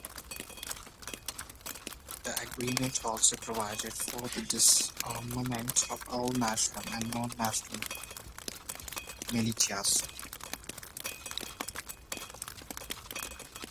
The agreement also provided for the disarmament of all national and non national militias.